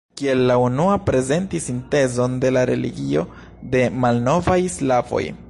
Kiel la unua prezentis sintezon de la religio de malnovaj slavoj.